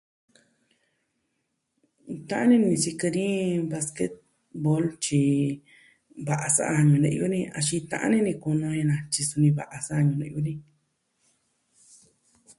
Ta'an ini ni sikɨ ni vasketvol, tyi, va'a sa'a ñu'un ne'yu ni axin ta'an ini ni kunu ni jen na tyi suni va'a sa'a ñu'u ne'yu ni.